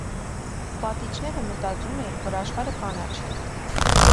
Պատիճները մտածում էին, որ աշխարհը կանաչ է։